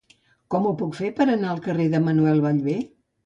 Com ho puc fer per anar al carrer de Manuel Ballbé?